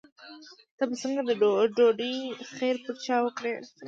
ته به څنګه د ډوډۍ خیر پر چا وکړې.